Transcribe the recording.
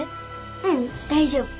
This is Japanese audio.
ううん大丈夫。